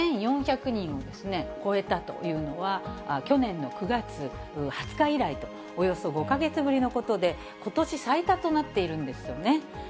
１４００人を超えたというのは、去年の９月２０日以来と、およそ５か月ぶりのことで、ことし最多となっているんですよね。